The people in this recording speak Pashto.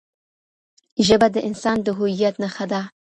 ژبه د انسان د هویت نښه ده.